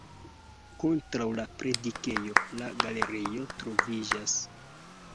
Kontraŭ la predikejo la galerio troviĝas.